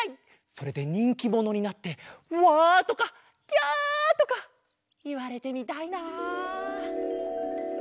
それでにんきものになってワとかキャとかいわれてみたいな。